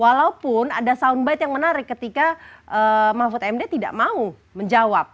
walaupun ada soundbite yang menarik ketika mahfud md tidak mau menjawab